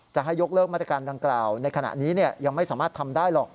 จะให้ยกเลิกมาตรการดังกล่าวในขณะนี้ยังไม่สามารถทำได้หรอก